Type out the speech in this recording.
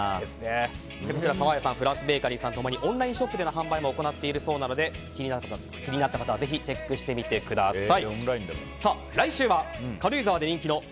沢屋さんフランスベーカリーさん共にオンラインショップでの販売も行っているそうなので気になった方はぜひチェックしてみてください。